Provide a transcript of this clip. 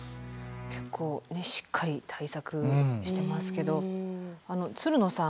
結構しっかり対策してますけどつるのさん